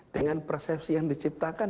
dengan persepsi yang diciptakan